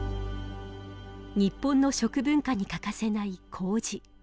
日本の食文化に欠かせない麹。